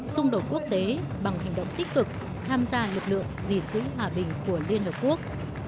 xung đột quốc tế bằng hành động tích cực tham gia lực lượng gìn giữ hòa bình của liên hợp quốc